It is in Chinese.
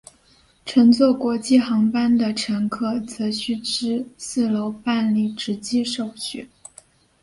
乘坐国际航班的乘客则需至四楼办理值机手续。